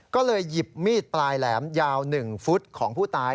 ก็เลยหยิบมีดปลายแหลมยาว๑ฟุตของผู้ตาย